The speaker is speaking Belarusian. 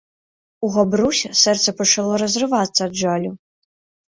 У Габруся сэрца пачало разрывацца ад жалю...